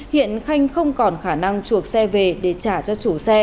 hiện khanh không còn khả năng chuộc xe về để trả cho chủ xe